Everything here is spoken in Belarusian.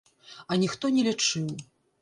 А ніхто не лічыў.